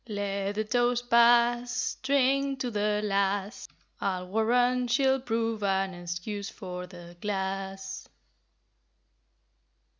Let the toast pass, Drink to the lass, I'll warrant she'll prove an excuse for the glass.'"